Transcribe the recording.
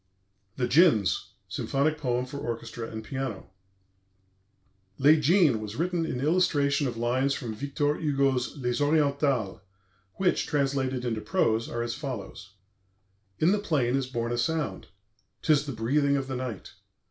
"THE DJINNS," SYMPHONIC POEM FOR ORCHESTRA AND PIANO Les Djinns was written in illustration of lines from Victor Hugo's Les Orientales, which, translated into prose, are as follows: "In the plain is born a sound; 'tis the breathing of the night.